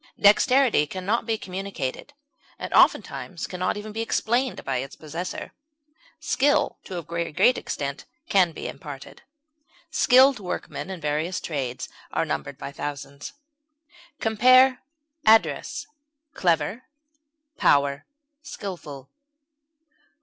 Dexterity can not be communicated, and, oftentimes can not even be explained by its possessor; skill to a very great extent can be imparted; "skilled workmen" in various trades are numbered by thousands. Compare ADDRESS; CLEVER; POWER; SKILFUL.